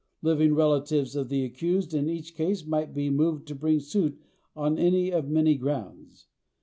Living relatives of the accused in each case might be moved to bring suit on any of many grounds.